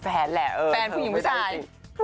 มันไม่ได้